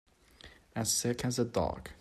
As sick as a dog.